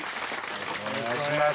お願いします。